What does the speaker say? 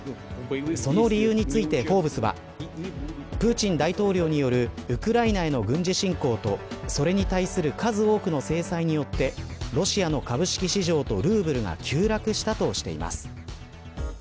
その理由についてフォーブスはプーチン大統領によるウクライナへの軍事侵攻とそれに対する数多くの制裁によってロシアの株式市場とルーブルが急落したとしています。